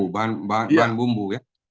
bahan baku bumbu